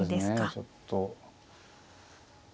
ちょっと。